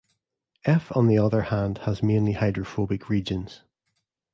F on the other hand has mainly hydrophobic regions.